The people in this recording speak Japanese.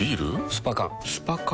スパ缶スパ缶？